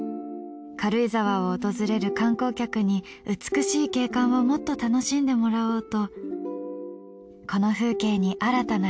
軽井沢を訪れる観光客に美しい景観をもっと楽しんでもらおうと。